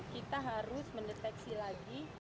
kita harus mendeteksi lagi